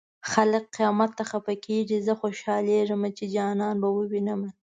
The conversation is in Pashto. خلک قيامت ته خفه کيږي زه خوشالېږم چې جانان به ووينمه